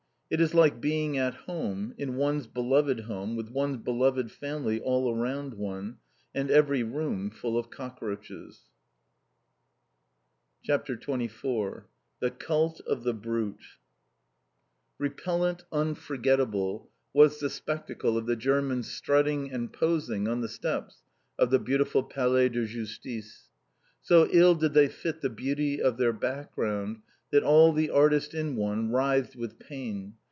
It is like being at home, in one's beloved home with one's beloved family all around one, and every room full of cockroaches! CHAPTER XXIV THE CULT OF THE BRUTE Repellant, unforgettable, was the spectacle of the Germans strutting and posing on the steps of the beautiful Palais de Justice. So ill did they fit the beauty of their background, that all the artist in one writhed with pain.